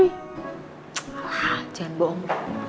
alah jangan bohong